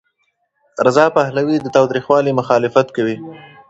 رضا پهلوي د تاوتریخوالي مخالفت کوي.